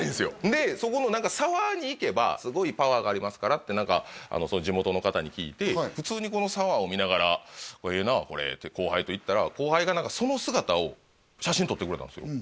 でそこの沢に行けばすごいパワーがありますからって地元の方に聞いて普通に沢を見ながら「ええなこれ」って後輩と行ったら後輩がその姿を写真撮ってくれたんですよ